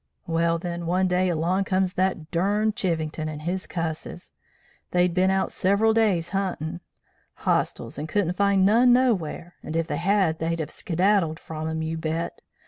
Well, then, one day along comes that durned Chivington and his cusses. They'd bin out several day's huntin' Hostiles, and couldn't find none nowhar, and if they had, they'd have skedaddled from 'em, you bet!